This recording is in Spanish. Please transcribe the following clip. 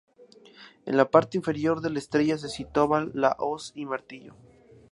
En la parte inferior de la estrella se situaba la hoz y martillo.